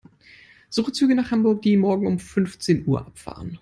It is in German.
Suche Züge nach Hamburg, die morgen um fünfzehn Uhr abfahren.